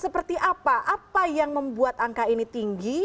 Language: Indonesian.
seperti apa apa yang membuat angka ini tinggi